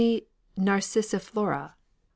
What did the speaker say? narcissiflora, L.